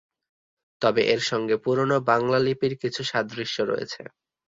তবে এর সঙ্গে পুরনো বাংলা লিপির কিছু সাদৃশ্য রয়েছে।